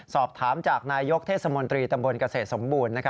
สอบถามจากนายกเทศมนตรีตำบลเกษตรสมบูรณ์